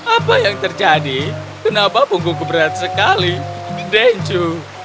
apa yang terjadi kenapa punggungku berat sekali denju